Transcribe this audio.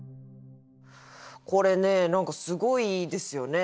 これね何かすごいいいですよね。